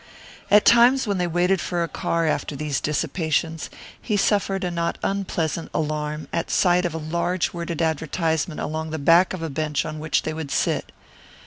At times when they waited for a car after these dissipations he suffered a not unpleasant alarm at sight of a large worded advertisement along the back of a bench on which they would sit.